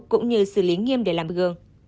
cũng như xử lý nghiêm để làm gương